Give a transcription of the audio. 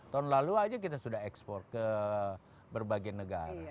tahun lalu aja kita sudah ekspor ke berbagai negara